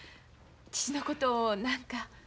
父のことを何か。